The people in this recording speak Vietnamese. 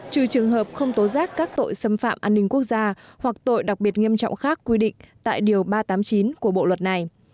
trừ trường hợp không tố giác các tội xâm phạm an ninh quốc gia hoặc tội đặc biệt nghiêm trọng khác quy định tại điều ba trăm tám mươi chín của bộ luật này